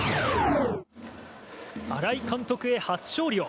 新井監督へ初勝利を。